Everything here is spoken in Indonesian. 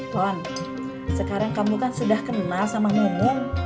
pon sekarang kamu kan sudah kenal sama mumu